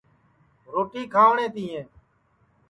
روٹی کھاوٹؔیں تِئیں